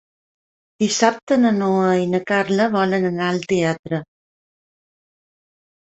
Dissabte na Noa i na Carla volen anar al teatre.